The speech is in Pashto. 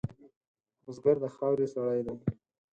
بزګر د خاورې سړی دی